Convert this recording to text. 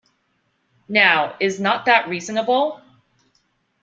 Now, is not that reasonable?